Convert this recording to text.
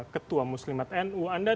ketua muslimat nu anda